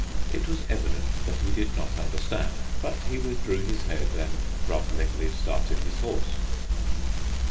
It was evident that he did not understand, but he withdrew his head, and grumblingly started his horse.